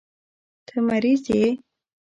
ته مريض يې.